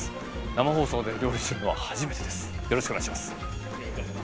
生放送で料理をするのは初めてです。